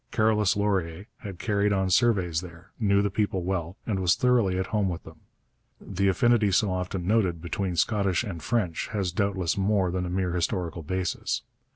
Carolus Laurier had carried on surveys there, knew the people well, and was thoroughly at home with them. The affinity so often noted between Scottish and French has doubtless more than a mere historical basis.